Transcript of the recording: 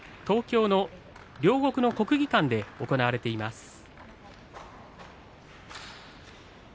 東京の両国の国技館で行われています。